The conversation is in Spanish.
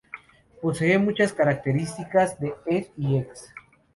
Posee muchas características de ed y ex.